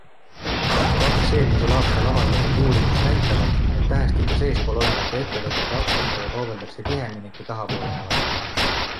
Kaks eelmisel aastal avaldatud uurimust näitavad, et tähestikus eespool olevate ettevõtete aktsiatega kaubeldakse tihemini kui taha poole jäävatega.